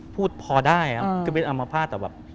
พูดพอได้ครับคือเป็นอัมพาตแต่แบบ